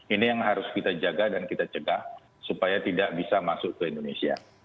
ini yang harus kita jaga dan kita cegah supaya tidak bisa masuk ke indonesia